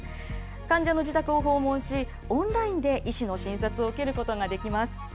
患者の自宅を訪問し、オンラインで医師の診察を受けることができます。